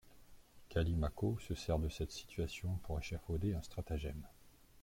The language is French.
Callimaco se sert de cette situation pour échafauder un stratagème.